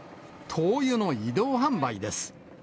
灯油の移動販売です。